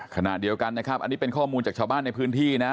ขณะเดียวกันนะครับอันนี้เป็นข้อมูลจากชาวบ้านในพื้นที่นะ